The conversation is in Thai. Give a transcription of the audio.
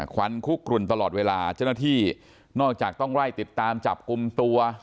ขวัญคุกกลุ่นตลอดเวลาเจ้าหน้าที่นอกจากต้องไล่ติดตามจับกลุ่มตัว